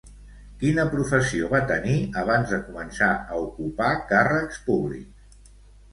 Quina professió va tenir abans de començar a ocupar càrrecs públics?